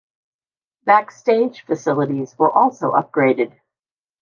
Backstage facilities were also upgraded.